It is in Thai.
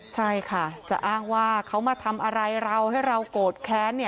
ใช่ค่ะจะอ้างว่าเขามาทำอะไรเราให้เราโกรธแค้น